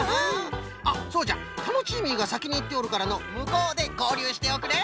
あっそうじゃタノチーミーがさきにいっておるからのうむこうでごうりゅうしておくれ。